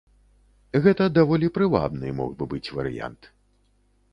Гэта даволі прывабны мог бы быць варыянт.